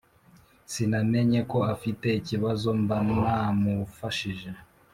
sinamenye ko afite ikibazo mba namufashije